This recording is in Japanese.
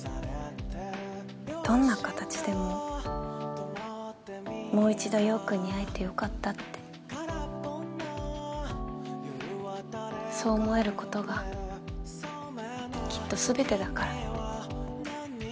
どんな形でももう一度陽君に会えてよかったってそう思えることがきっとすべてだから。